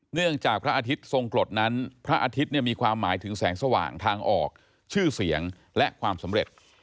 เนื่องจากพระอาทิตย์ทรงกรดนั้นพระอาทิตย์มีความหมายถึงแสงสว่างทางออกชื่อเสียงและความสำเร็จ